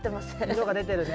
色が出てるね。